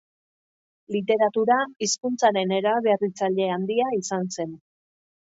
Literatura hizkuntzaren eraberritzaile handia izan zen.